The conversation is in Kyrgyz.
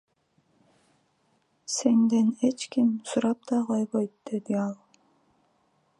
Сенден эч ким сурап да койбойт, — дейт ал.